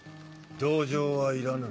同情はいらぬ。